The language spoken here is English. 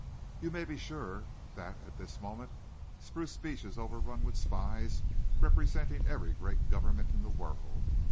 You may be sure that, at this moment, Spruce Beach is overrun with spies representing every great government in the world.